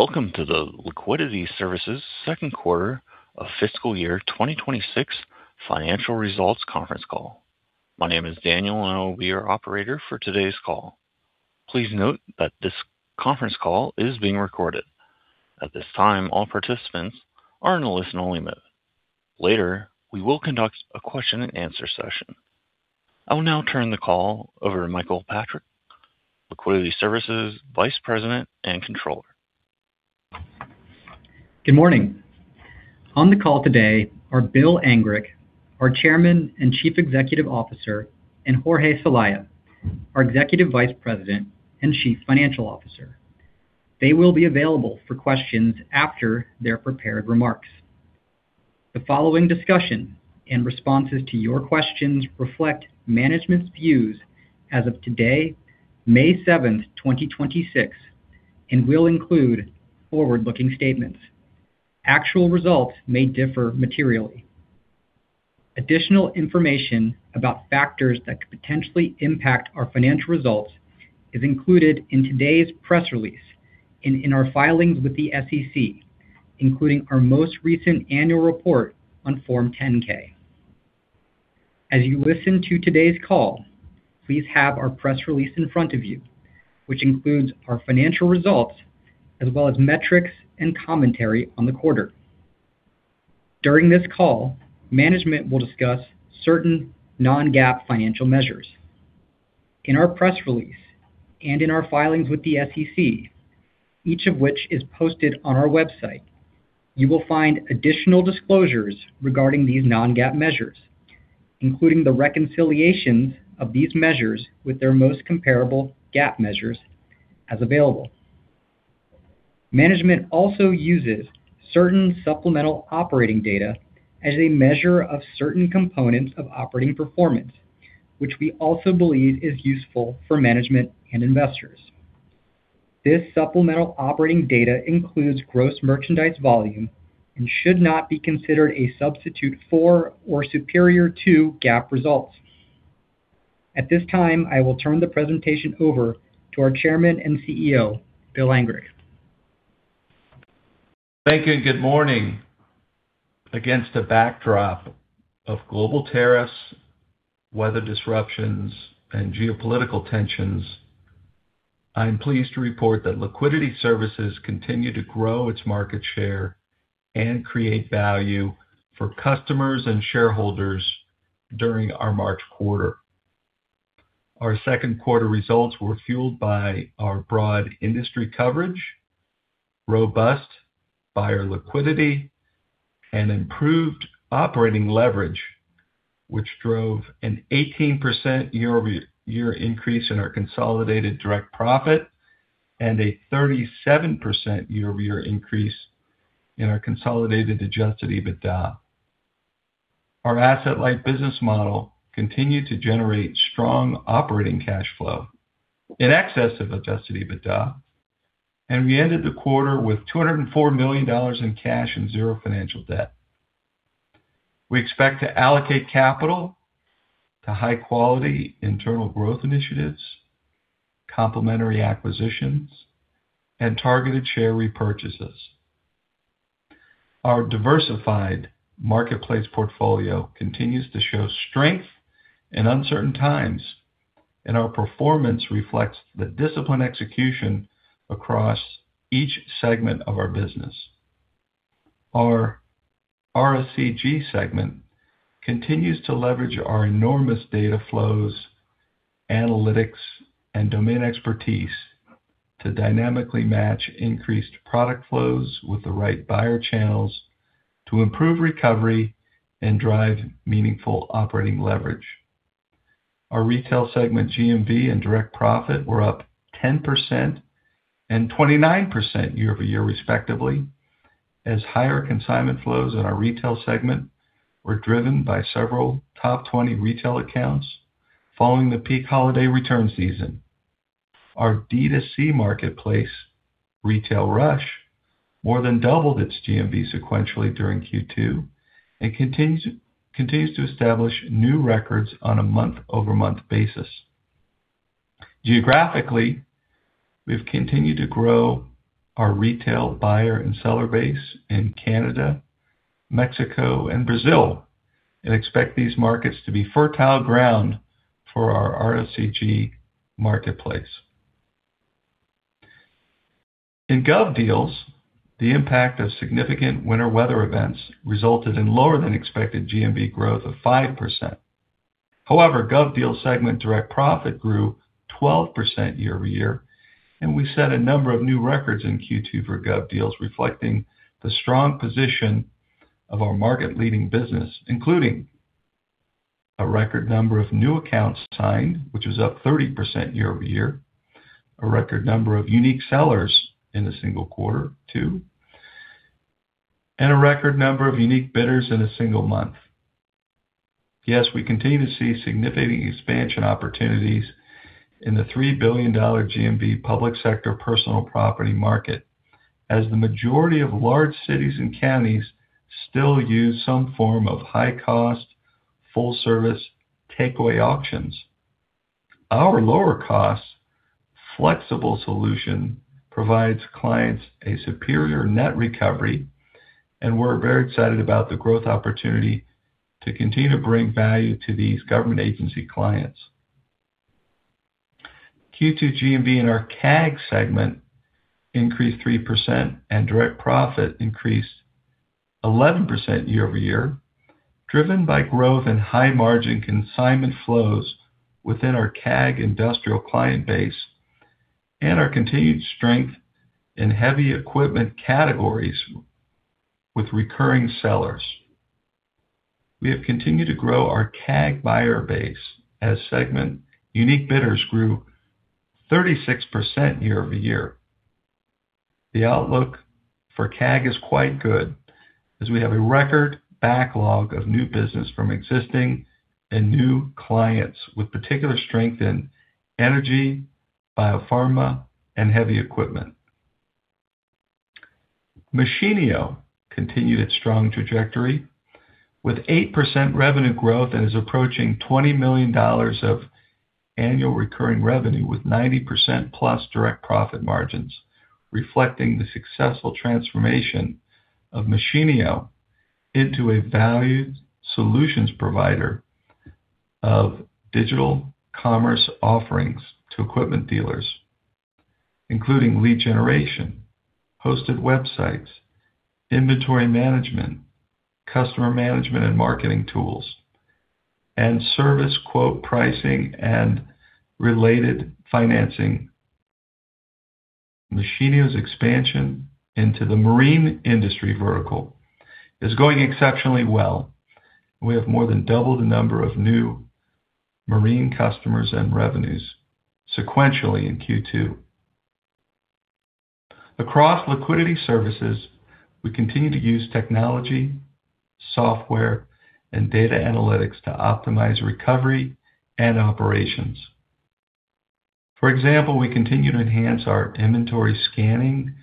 Welcome to the Liquidity Services second quarter of fiscal year 2026 financial results conference call. My name is Daniel, and I will be your operator for today's call. Please note that this conference call is being recorded. At this time, all participants are in a listen-only mode. Later, we will conduct a question and answer session. I will now turn the call over to Michael Patrick, Liquidity Services Vice President and Controller. Good morning. On the call today are Bill Angrick, our Chairman and Chief Executive Officer, and Jorge Celaya, our Executive Vice President and Chief Financial Officer. They will be available for questions after their prepared remarks. The following discussion and responses to your questions reflect management's views as of today, May 7th, 2026, and will include forward-looking statements. Actual results may differ materially. Additional information about factors that could potentially impact our financial results is included in today's press release and in our filings with the SEC, including our most recent annual report on Form 10-K. As you listen to today's call, please have our press release in front of you, which includes our financial results as well as metrics and commentary on the quarter. During this call, management will discuss certain non-GAAP financial measures. In our press release and in our filings with the SEC, each of which is posted on our website, you will find additional disclosures regarding these non-GAAP measures, including the reconciliations of these measures with their most comparable GAAP measures as available. Management also uses certain supplemental operating data as a measure of certain components of operating performance, which we also believe is useful for management and investors. This supplemental operating data includes gross merchandise volume and should not be considered a substitute for or superior to GAAP results. At this time, I will turn the presentation over to our Chairman and CEO, Bill Angrick. Thank you, and good morning. Against a backdrop of global tariffs, weather disruptions, and geopolitical tensions, I am pleased to report that Liquidity Services continue to grow its market share and create value for customers and shareholders during our March quarter. Our second quarter results were fueled by our broad industry coverage, robust buyer liquidity, and improved operating leverage, which drove an 18% year-over-year increase in our consolidated direct profit and a 37% year-over-year increase in our consolidated adjusted EBITDA. Our asset-light business model continued to generate strong operating cash flow in excess of adjusted EBITDA, and we ended the quarter with $204 million in cash and zero financial debt. We expect to allocate capital to high-quality internal growth initiatives, complementary acquisitions, and targeted share repurchases. Our diversified marketplace portfolio continues to show strength in uncertain times, and our performance reflects the disciplined execution across each segment of our business. Our RSCG segment continues to leverage our enormous data flows, analytics, and domain expertise to dynamically match increased product flows with the right buyer channels to improve recovery and drive meaningful operating leverage. Our retail segment GMV and direct profit were up 10% and 29% year-over-year respectively, as higher consignment flows in our retail segment were driven by several top 20 retail accounts following the peak holiday return season. Our D2C marketplace, Retail Rush, more than doubled its GMV sequentially during Q2 and continues to establish new records on a month-over-month basis. Geographically, we've continued to grow our retail buyer and seller base in Canada, Mexico, and Brazil, and expect these markets to be fertile ground for our RSCG marketplace. In GovDeals, the impact of significant winter weather events resulted in lower than expected GMV growth of 5%. GovDeals segment direct profit grew 12% year-over-year, and we set a number of new records in Q2 for GovDeals, reflecting the strong position of our market-leading business, including a record number of new accounts signed, which was up 30% year-over-year, a record number of unique sellers in a single quarter too, and a record number of unique bidders in a single month. Yes, we continue to see significant expansion opportunities in the $3 billion GMV public sector personal property market, as the majority of large cities and counties still use some form of high-cost, full-service takeaway auctions. Our lower cost, flexible solution provides clients a superior net recovery, and we're very excited about the growth opportunity to continue to bring value to these government agency clients. Q2 GMV in our CAG segment increased 3% and direct profit increased 11% year-over-year, driven by growth in high margin consignment flows within our CAG industrial client base and our continued strength in heavy equipment categories with recurring sellers. We have continued to grow our CAG buyer base as segment unique bidders grew 36% year-over-year. The outlook for CAG is quite good as we have a record backlog of new business from existing and new clients, with particular strength in energy, biopharma, and heavy equipment. Machinio continued its strong trajectory with 8% revenue growth and is approaching $20 million of annual recurring revenue with 90%+ direct profit margins, reflecting the successful transformation of Machinio into a valued solutions provider of digital commerce offerings to equipment dealers, including lead generation, hosted websites, inventory management, customer management and marketing tools, and service quote pricing and related financing. Machinio's expansion into the marine industry vertical is going exceptionally well. We have more than doubled the number of new marine customers and revenues sequentially in Q2. Across Liquidity Services, we continue to use technology, software, and data analytics to optimize recovery and operations. For example, we continue to enhance our inventory scanning,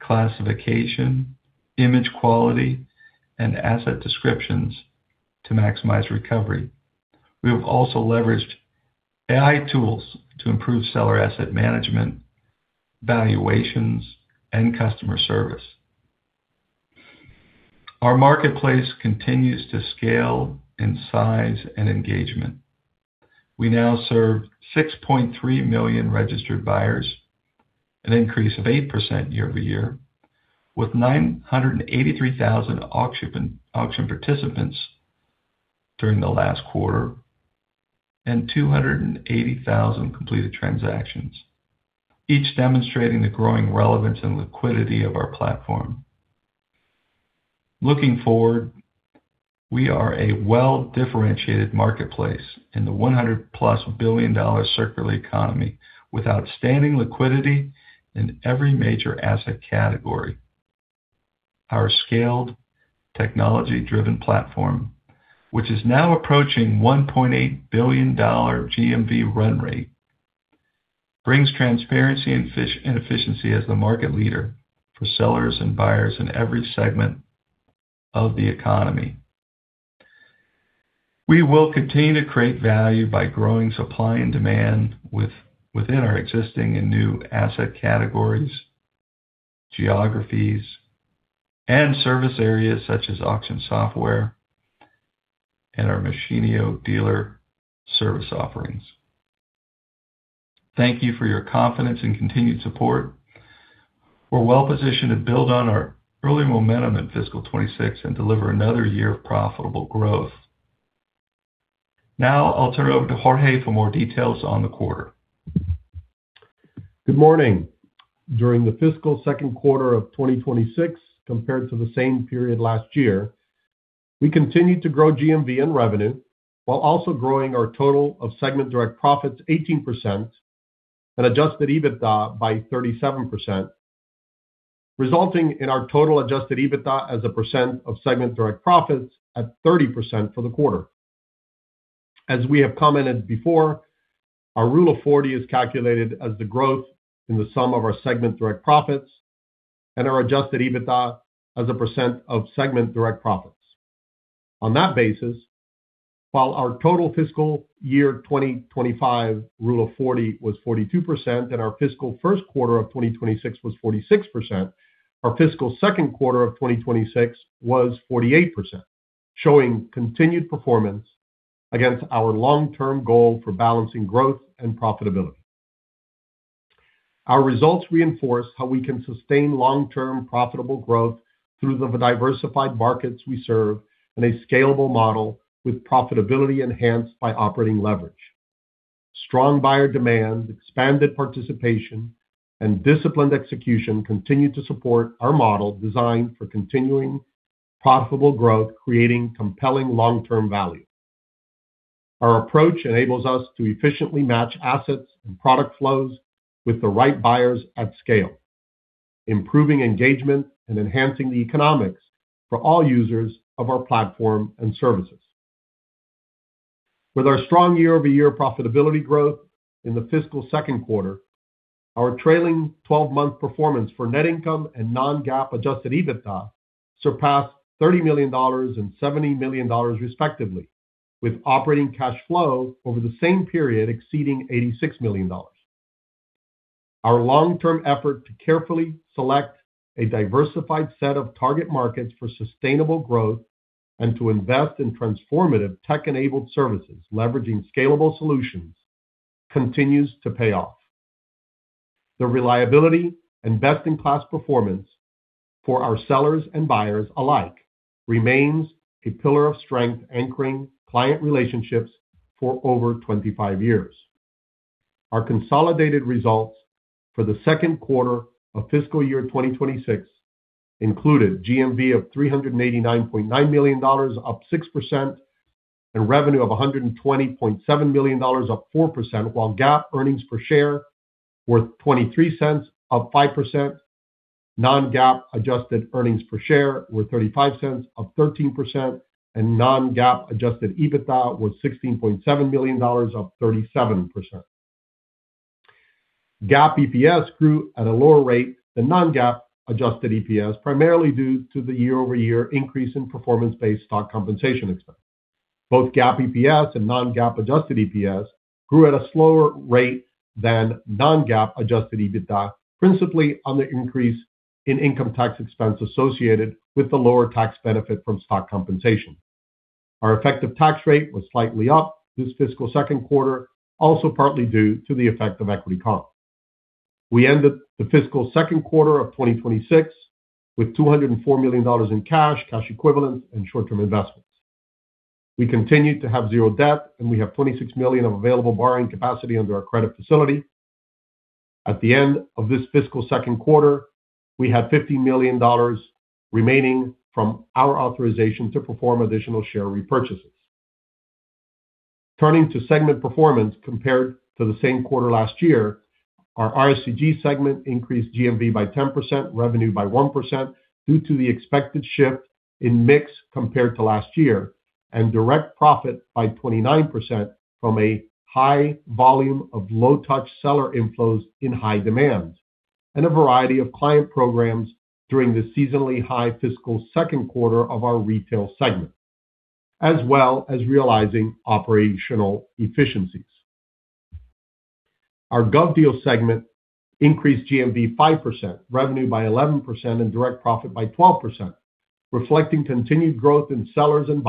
classification, image quality, and asset descriptions to maximize recovery. We have also leveraged AI tools to improve seller asset management, valuations, and customer service. Our marketplace continues to scale in size and engagement. We now serve 6.3 million registered buyers, an increase of 8% year-over-year, with 983,000 auction participants during the last quarter, and 280,000 completed transactions, each demonstrating the growing relevance and liquidity of our platform. Looking forward, we are a well-differentiated marketplace in the $100+ billion circular economy with outstanding liquidity in every major asset category. Our scaled technology-driven platform, which is now approaching $1.8 billion GMV run rate, brings transparency and efficiency as the market leader for sellers and buyers in every segment of the economy. We will continue to create value by growing supply and demand within our existing and new asset categories, geographies, and service areas such as auction software and our Machinio dealer service offerings. Thank you for your confidence and continued support. We're well-positioned to build on our early momentum in fiscal 2026 and deliver another year of profitable growth. Now I'll turn it over to Jorge for more details on the quarter. Good morning. During the fiscal second quarter of 2026, compared to the same period last year, we continued to grow GMV and revenue while also growing our total of segment direct profits 18% and adjusted EBITDA by 37%, resulting in our total adjusted EBITDA as a percent of segment direct profits at 30% for the quarter. As we have commented before, our Rule of 40 is calculated as the growth in the sum of our segment direct profits and our adjusted EBITDA as a percent of segment direct profits. On that basis, while our total fiscal year 2025 Rule of 40 was 42% and our fiscal first quarter of 2026 was 46%, our fiscal second quarter of 2026 was 48%, showing continued performance against our long-term goal for balancing growth and profitability. Our results reinforce how we can sustain long-term profitable growth through the diversified markets we serve in a scalable model with profitability enhanced by operating leverage. Strong buyer demand, expanded participation, and disciplined execution continue to support our model designed for continuing profitable growth, creating compelling long-term value. Our approach enables us to efficiently match assets and product flows with the right buyers at scale, improving engagement and enhancing the economics for all users of our platform and services. With our strong year-over-year profitability growth in the fiscal second quarter, our trailing 12-month performance for net income and non-GAAP adjusted EBITDA surpassed $30 million and $70 million respectively, with operating cash flow over the same period exceeding $86 million. Our long-term effort to carefully select a diversified set of target markets for sustainable growth and to invest in transformative tech-enabled services leveraging scalable solutions continues to pay off. The reliability and best-in-class performance for our sellers and buyers alike remains a pillar of strength anchoring client relationships for over 25 years. Our consolidated results for the second quarter of fiscal year 2026 included GMV of $389.9 million, up 6%, and revenue of $120.7 million, up 4%, while GAAP earnings per share were $0.23, up 5%. Non-GAAP adjusted earnings per share were $0.35, up 13%, and non-GAAP adjusted EBITDA was $16.7 million, up 37%. GAAP EPS grew at a lower rate than non-GAAP adjusted EPS, primarily due to the year-over-year increase in performance-based stock compensation expense. Both GAAP EPS and non-GAAP adjusted EPS grew at a slower rate than non-GAAP adjusted EBITDA, principally on the increase in income tax expense associated with the lower tax benefit from stock compensation. Our effective tax rate was slightly up this fiscal second quarter, also partly due to the effect of equity comp. We ended the fiscal second quarter of 2026 with $204 million in cash equivalents, and short-term investments. We continued to have zero debt, and we have $26 million of available borrowing capacity under our credit facility. At the end of this fiscal second quarter, we had $50 million remaining from our authorization to perform additional share repurchases. Turning to segment performance compared to the same quarter last year, our RSCG segment increased GMV by 10%, revenue by 1% due to the expected shift in mix compared to last year, and direct profit by 29% from a high volume of low-touch seller inflows in high demands and a variety of client programs during the seasonally high fiscal second quarter of our retail segment, as well as realizing operational efficiencies. Our GovDeals segment increased GMV 5%, revenue by 11%, and direct profit by 12%, reflecting continued growth in sellers and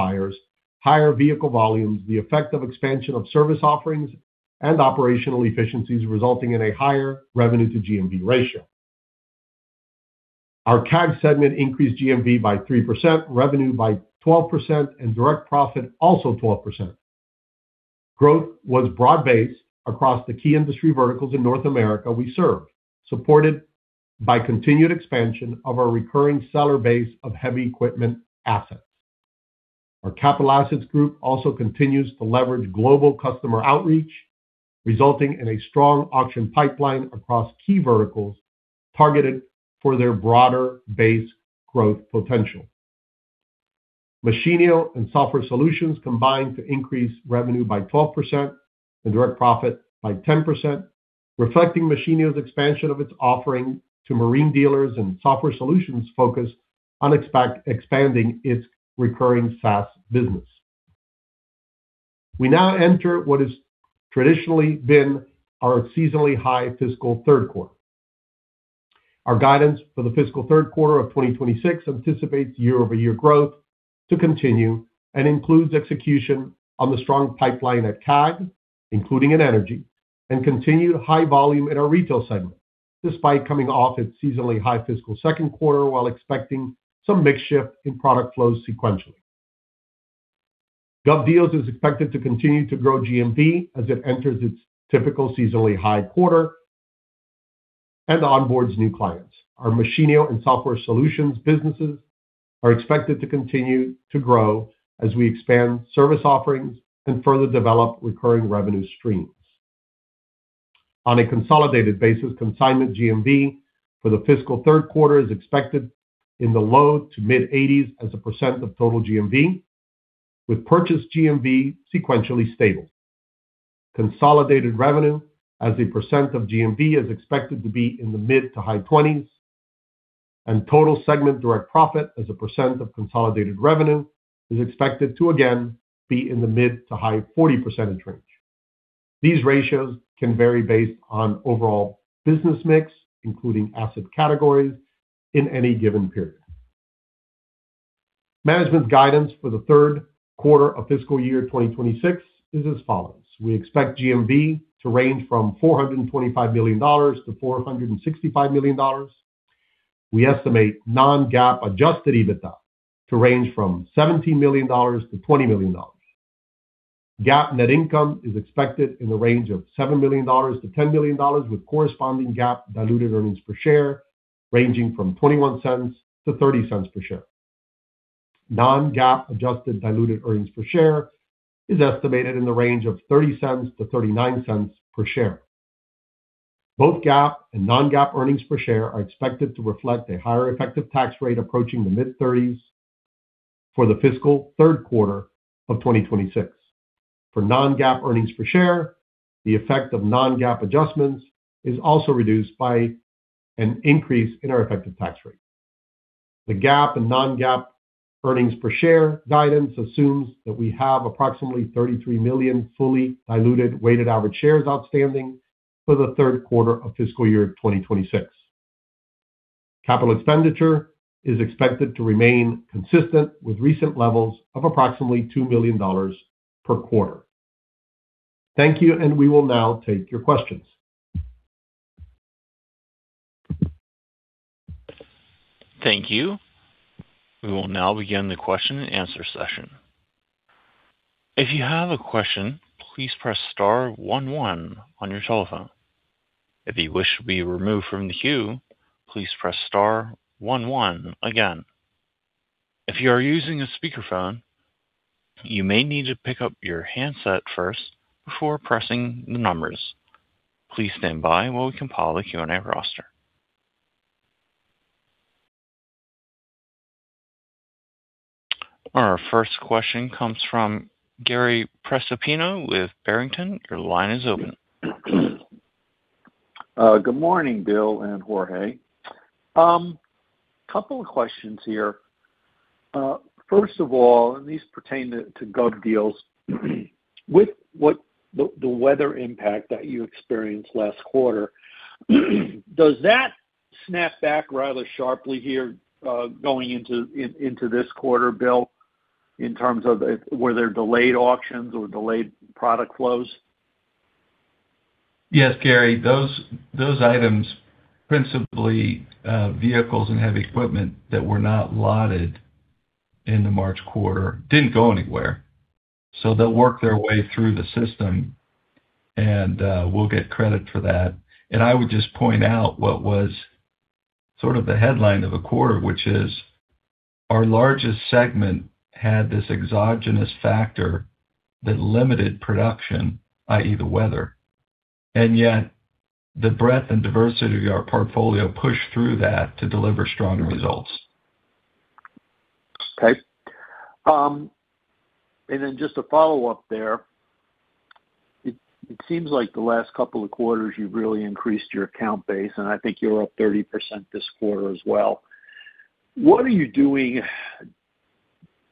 buyers, higher vehicle volumes, the effect of expansion of service offerings, and operational efficiencies resulting in a higher revenue-to-GMV ratio. Our CAG segment increased GMV by 3%, revenue by 12%, and direct profit also 12%. Growth was broad-based across the key industry verticals in North America we serve, supported by continued expansion of our recurring seller base of heavy equipment assets. Our Capital Assets Group also continues to leverage global customer outreach, resulting in a strong auction pipeline across key verticals targeted for their broader base growth potential. Machinio and Software Solutions combined to increase revenue by 12% and direct profit by 10%, reflecting Machinio's expansion of its offering to marine dealers and Software Solutions' focus on expanding its recurring SaaS business. We now enter what has traditionally been our seasonally high fiscal third quarter. Our guidance for the fiscal third quarter of 2026 anticipates year-over-year growth to continue and includes execution on the strong pipeline at CAG, including in energy, and continued high volume in our retail segment, despite coming off its seasonally high fiscal second quarter while expecting some mix shift in product flows sequentially. GovDeals is expected to continue to grow GMV as it enters its typical seasonally high quarter and onboards new clients. Our Machinio and Software Solutions businesses are expected to continue to grow as we expand service offerings and further develop recurring revenue streams. On a consolidated basis, consignment GMV for the fiscal third quarter is expected in the low to mid-80% as a percent of total GMV, with purchase GMV sequentially stable. Consolidated revenue as a percent of GMV is expected to be in the mid to high 20%, and total segment direct profit as a percent of consolidated revenue is expected to again be in the mid to high 40% range. These ratios can vary based on overall business mix, including asset categories in any given period. Management's guidance for the third quarter of fiscal year 2026 is as follows: We expect GMV to range from $425 million-$465 million. We estimate non-GAAP adjusted EBITDA to range from $17 million-$20 million. GAAP net income is expected in the range of $7 million-$10 million, with corresponding GAAP diluted earnings per share ranging from $0.21-$0.30 per share. Non-GAAP adjusted diluted earnings per share is estimated in the range of $0.30-$0.39 per share. Both GAAP and non-GAAP earnings per share are expected to reflect a higher effective tax rate approaching the mid-30% for the fiscal third quarter of 2026. For non-GAAP earnings per share, the effect of non-GAAP adjustments is also reduced by an increase in our effective tax rate. The GAAP and non-GAAP earnings per share guidance assumes that we have approximately 33 million fully diluted weighted average shares outstanding for the third quarter of fiscal year 2026. Capital expenditure is expected to remain consistent with recent levels of approximately $2 million per quarter. Thank you, and we will now take your questions. Thank you. We will now begin the question and answer session. If you have a question, please press star one one on your telephone. If you wish to be removed from the queue, please press star one one again. If you are using a speakerphone, you may need to pick up your handset first before pressing the numbers. Please stand by while we compile a Q&A roster. Our first question comes from Gary Prestopino with Barrington. Your line is open. Good morning, Bill and Jorge. Couple of questions here. First of all, these pertain to GovDeals. With what the weather impact that you experienced last quarter, does that snap back rather sharply here going into this quarter, Bill, in terms of were there delayed auctions or delayed product flows? Yes, Gary. Those items, principally, vehicles and heavy equipment that were not lotted in the March quarter, didn't go anywhere. They'll work their way through the system and, we'll get credit for that. I would just point out what was sort of the headline of the quarter, which is our largest segment had this exogenous factor that limited production, i.e., the weather, and yet the breadth and diversity of our portfolio pushed through that to deliver strong results. Okay. Just a follow-up there. It seems like the last couple of quarters you've really increased your account base, and I think you're up 30% this quarter as well. What are you doing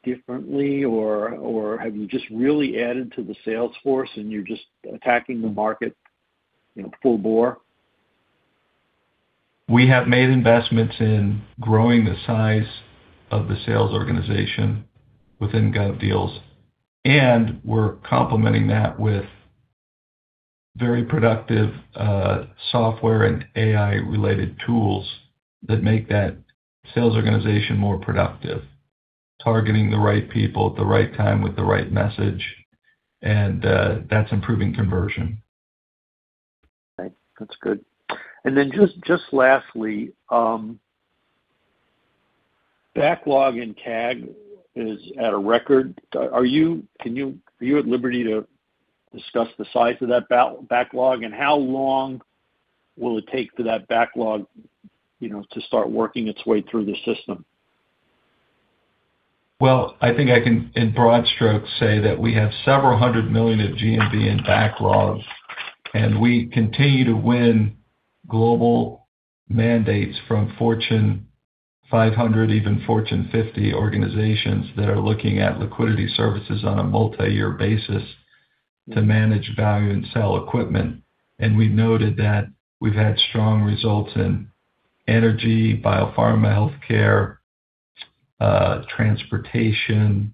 differently or have you just really added to the sales force and you're just attacking the market, you know, full bore? We have made investments in growing the size of the sales organization within GovDeals, and we're complementing that with very productive software and AI-related tools that make that sales organization more productive, targeting the right people at the right time with the right message, and that's improving conversion. Okay, that's good. Just lastly, backlog in CAG is at a record. Are you at liberty to discuss the size of that backlog and how long will it take to that backlog, you know, to start working its way through the system? Well, I think I can, in broad strokes, say that we have several hundred million of GMV in backlogs. We continue to win global mandates from Fortune 500, even Fortune 50 organizations that are looking at Liquidity Services on a multi-year basis to manage value and sell equipment. We've noted that we've had strong results in energy, biopharma, healthcare, transportation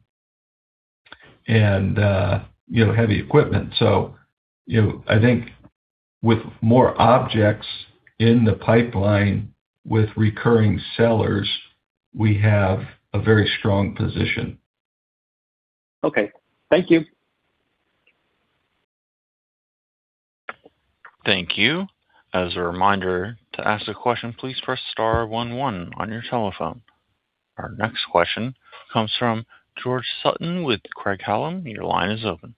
and, you know, heavy equipment. You know, I think with more objects in the pipeline with recurring sellers, we have a very strong position. Okay. Thank you. Thank you. As a reminder, to ask a question, please press star one one on your telephone. Our next question comes from George Sutton with Craig-Hallum. Your line is open.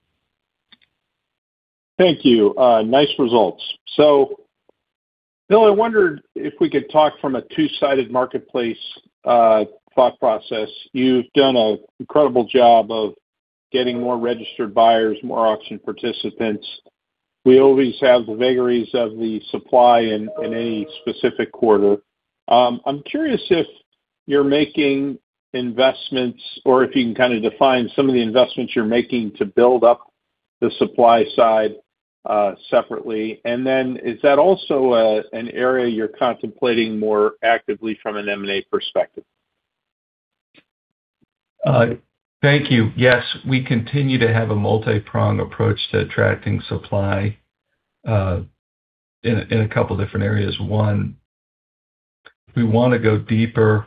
Thank you. Nice results. Bill, I wondered if we could talk from a two-sided marketplace thought process. You've done a incredible job of getting more registered buyers, more auction participants. We always have the vagaries of the supply in any specific quarter. I'm curious if you're making investments or if you can kind of define some of the investments you're making to build up the supply side separately. Is that also an area you're contemplating more actively from an M&A perspective? Thank you. Yes, we continue to have a multi-prong approach to attracting supply in a couple different areas. One, we wanna go deeper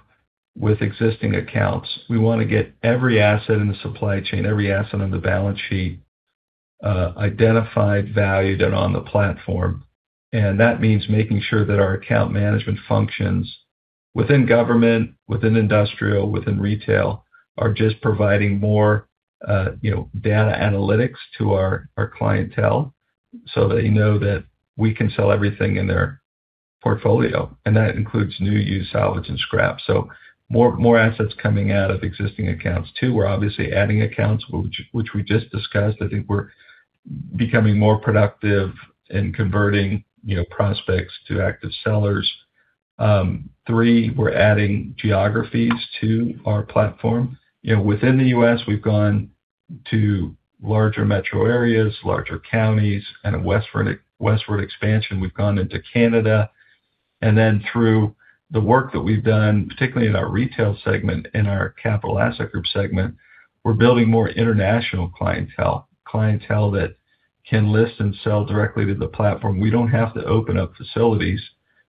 with existing accounts. We wanna get every asset in the supply chain, every asset on the balance sheet, identified, valued, and on the platform. That means making sure that our account management functions within government, within industrial, within retail, are just providing more, you know, data analytics to our clientele so they know that we can sell everything in their portfolio, and that includes new use, salvage, and scrap. More assets coming out of existing accounts, too. We're obviously adding accounts, which we just discussed. I think we're becoming more productive in converting, you know, prospects to active sellers. Three, we're adding geographies to our platform. You know, within the U.S. we've gone to larger metro areas, larger counties, and a westward expansion. We've gone into Canada. Through the work that we've done, particularly in our retail segment and our Capital Assets Group segment, we're building more international clientele that can list and sell directly to the platform. We don't have to open up facilities.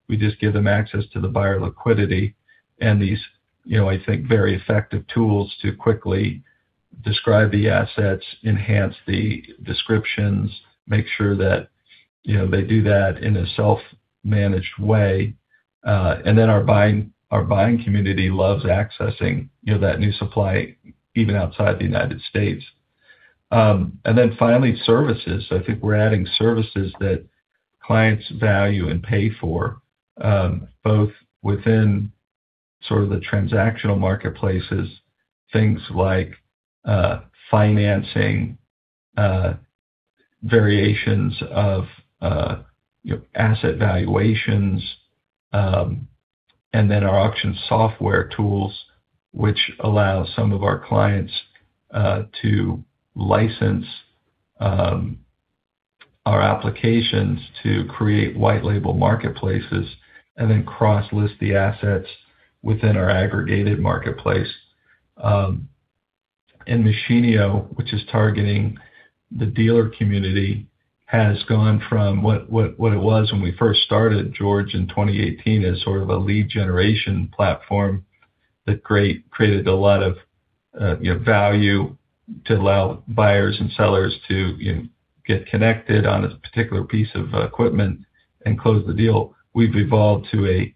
We just give them access to the buyer liquidity and these, you know, I think very effective tools to quickly describe the assets, enhance the descriptions, make sure that, you know, they do that in a self-managed way. Our buying community loves accessing, you know, that new supply even outside the United States. Finally, services. I think we're adding services that clients value and pay for, both within sort of the transactional marketplaces, things like financing, variations of asset valuations, and then our auction software tools, which allow some of our clients to license our applications to create white label marketplaces and then cross-list the assets within our aggregated marketplace. Machinio, which is targeting the dealer community, has gone from what it was when we first started, George, in 2018 as sort of a lead generation platform that created a lot of, you know, value to allow buyers and sellers to, you know, get connected on a particular piece of equipment and close the deal. We've evolved to a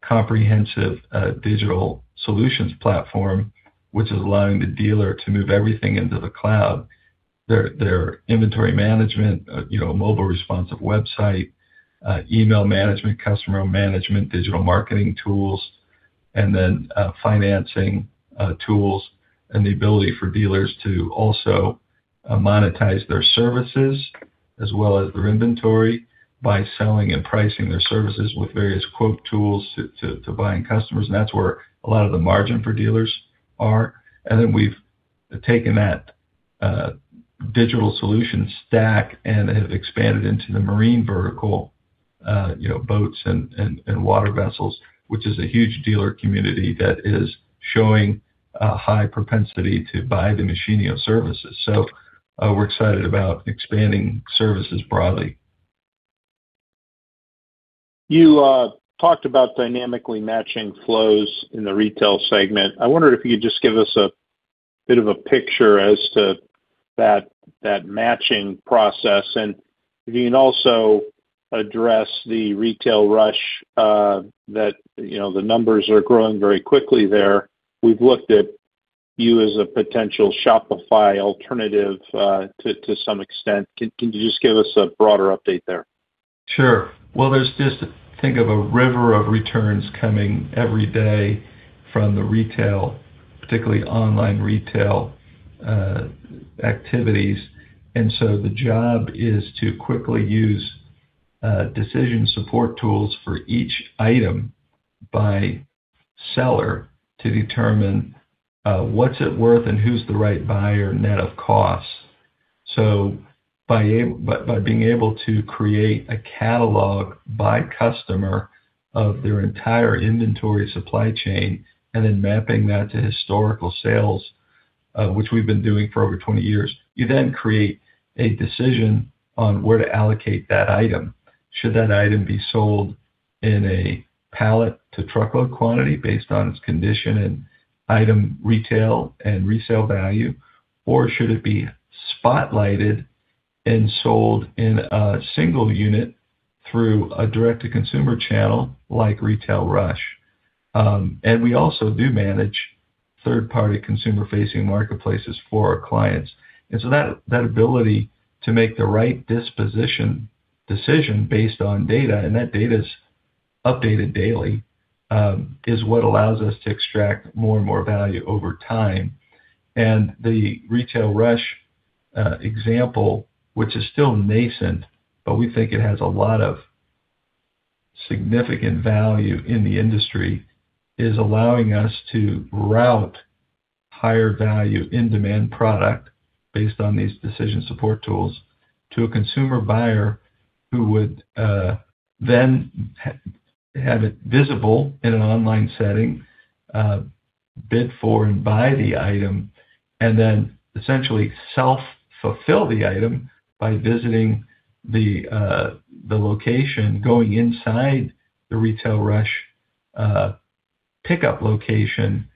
comprehensive digital solutions platform, which is allowing the dealer to move everything into the cloud. Their inventory management, you know, mobile responsive website, email management, customer management, digital marketing tools, financing tools. The ability for dealers to also monetize their services as well as their inventory by selling and pricing their services with various quote tools to buying customers, and that's where a lot of the margin for dealers are. We've taken that digital solution stack and have expanded into the marine vertical, you know, boats and water vessels, which is a huge dealer community that is showing a high propensity to buy the Machinio services. We're excited about expanding services broadly. You talked about dynamically matching flows in the retail segment. I wonder if you could just give us a bit of a picture as to that matching process, and if you can also address the Retail Rush, that, you know, the numbers are growing very quickly there. We've looked at you as a potential Shopify alternative, to some extent. Can you just give us a broader update there? Sure. There's just think of a river of returns coming every day from the retail, particularly online retail, activities. The job is to quickly use decision support tools for each item by seller to determine what's it worth and who's the right buyer net of cost. By being able to create a catalog by customer of their entire inventory supply chain and then mapping that to historical sales, which we've been doing for over 20 years, you then create a decision on where to allocate that item. Should that item be sold in a pallet to truckload quantity based on its condition and item retail and resale value? Should it be spotlighted and sold in a single unit through a direct-to-consumer channel like Retail Rush? We also do manage third-party consumer-facing marketplaces for our clients. That, that ability to make the right disposition decision based on data, and that data is updated daily, is what allows us to extract more and more value over time. The Retail Rush example, which is still nascent, but we think it has a lot of significant value in the industry, is allowing us to route higher value in-demand product based on these decision support tools to a consumer buyer who would then have it visible in an online setting, bid for and buy the item, and then essentially self-fulfill the item by visiting the location, going inside the Retail Rush pickup location,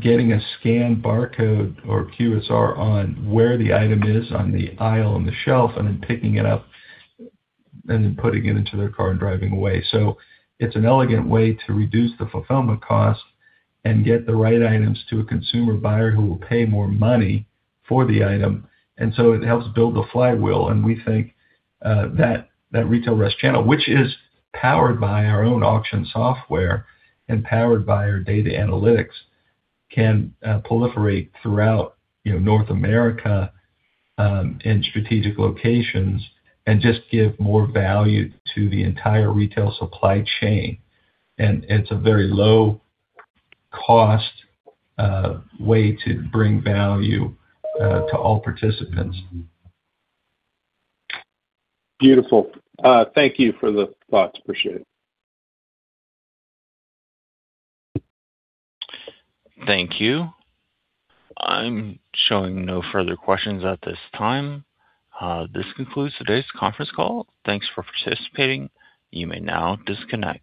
getting a scanned barcode or QR on where the item is on the aisle on the shelf, and then picking it up and then putting it into their car and driving away. It's an elegant way to reduce the fulfillment cost and get the right items to a consumer buyer who will pay more money for the item. It helps build the flywheel, and we think that Retail Rush channel, which is powered by our own auction software and powered by our data analytics, can proliferate throughout, you know, North America and strategic locations and just give more value to the entire retail supply chain. It's a very low cost way to bring value to all participants. Beautiful. Thank you for the thoughts. Appreciate it. Thank you. I'm showing no further questions at this time. This concludes today's conference call. Thanks for participating. You may now disconnect.